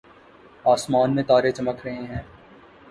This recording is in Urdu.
آسمان میں تارے چمک رہے ہیں